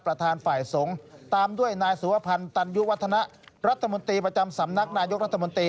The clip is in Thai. ประธานฝ่ายสงฆ์ตามด้วยนายสุวพันธ์ตันยุวัฒนะรัฐมนตรีประจำสำนักนายกรัฐมนตรี